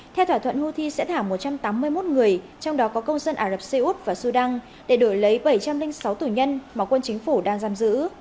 theo thỏa thuận houthi sẽ thả một trăm tám mươi một người trong đó có công dân ả rập xê út và sudan để đổi lấy bảy trăm linh sáu tù nhân mà quân chính phủ đang giam giữ